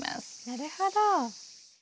なるほど。